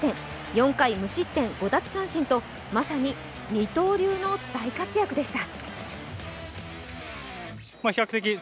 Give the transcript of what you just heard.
４回無失点５奪三振とまさに二刀流の大活躍でした。